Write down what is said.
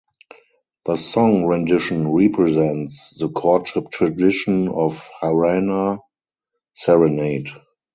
The song rendition represents the courtship tradition of "Harana" (serenade).